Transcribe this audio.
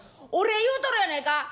お礼言うとるやないか」。